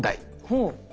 ほう。